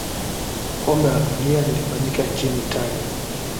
kombe la dunia lilifanyika nchini itali